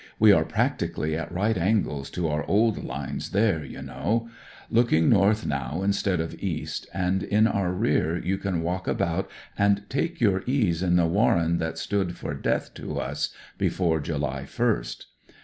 We are practically at right angles to our old lines there, you know ; looking north now instead of east, and in our rear you can walk about and take your ease in the warren that stood for death to us before July 1st.